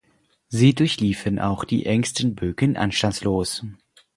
Sie durchliefen auch die engsten Bögen anstandslos.